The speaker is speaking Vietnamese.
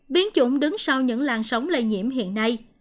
biến chủng đứng sau những làn sóng lây nhiễm hiện nay